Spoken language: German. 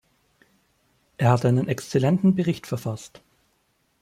Er hat einen exzellenten Bericht verfasst.